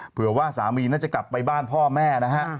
เผื่อว่าสามีน่าจะกลับไปบ้านพ่อแม่นะฮะ